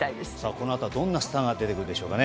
このあとどんなスターが出てくるでしょうか。